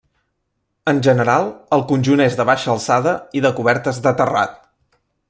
En general, el conjunt és de baixa alçada i de cobertes de terrat.